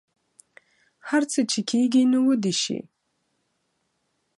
هر څه چې کیږي نو ودې شي